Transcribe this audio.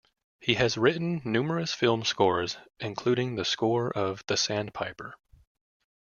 He has written numerous film scores, including the score of "The Sandpiper".